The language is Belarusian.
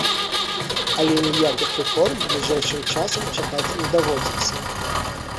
Але ніякіх рэформ бліжэйшым часам чакаць не даводзіцца.